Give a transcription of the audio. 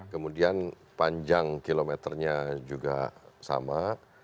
kemudian panjang kilometernya juga sama